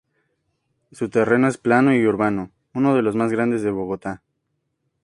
Su terreno es plano y urbano, uno de los más grandes de Bogotá.